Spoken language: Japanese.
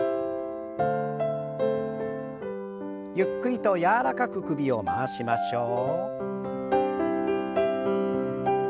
ゆっくりと柔らかく首を回しましょう。